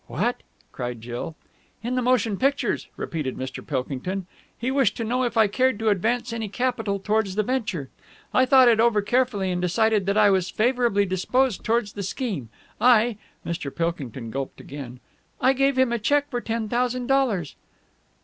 "What!" cried Jill. "In the motion pictures," repeated Mr. Pilkington. "He wished to know if I cared to advance any capital towards the venture. I thought it over carefully and decided that I was favourably disposed towards the scheme. I...." Mr. Pilkington gulped again. "I gave him a cheque for ten thousand dollars!"